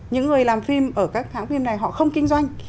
những người làm phim ở các hãng phim này họ không kinh doanh